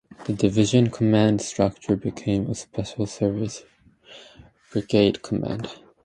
The Division command structure became a Special Service Brigade command.